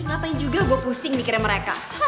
ngapain juga gue pusing mikirnya mereka